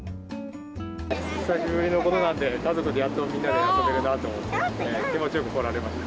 久しぶりのことなんで、家族でやっとみんなで遊べるなと思って、気持ちよく来られました。